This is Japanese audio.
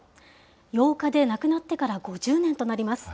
８日で亡くなってから５０年となります。